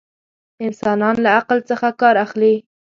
انسانان له عقل څخه ڪار اخلي.